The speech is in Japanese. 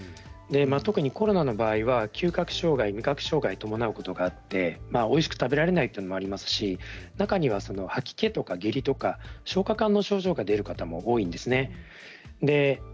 特にコロナの場合嗅覚障害、味覚障害伴うことがあって、おいしく食べられないっていうのもありますし中には吐き気とか下痢とか消化管の症状が出る方も多いんですね。